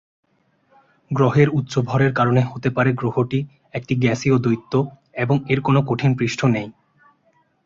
গ্রহের উচ্চ ভরের কারণে হতে পারে গ্রহটি একটি গ্যাসীয় দৈত্য এবং এর কোনো কঠিন পৃষ্ঠ নেই।